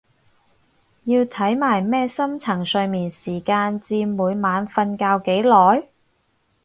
要睇埋咩深層睡眠時間佔每晚瞓覺幾耐？